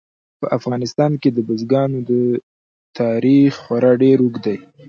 په افغانستان کې د بزګانو تاریخ خورا ډېر اوږد دی.